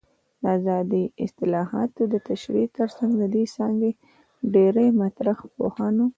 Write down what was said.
د اداري اصطلاحاتو د تشریح ترڅنګ د دې څانګې د ډېری مطرح پوهانو